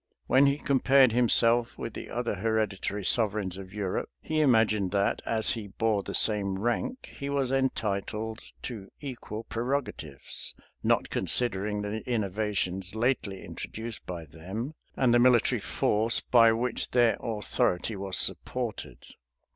When he compared himself with the other hereditary sovereigns of Europe, he imagined that, as he bore the same rank, he was entitled to equal prerogatives; not considering the innovations lately introduced by them, and the military force by which their authority was supported.